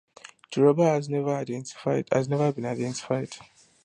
The robber has never been identified.